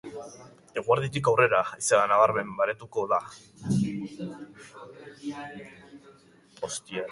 Eguerditik aurrera haizea nabarmen baretuko da.